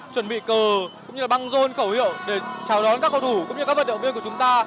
chuẩn bị cờ cũng như là băng rôn khẩu hiệu để chào đón các cầu thủ cũng như các vận động viên của chúng ta